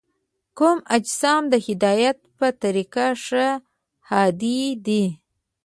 کوم اجسام د هدایت په طریقه ښه هادي دي؟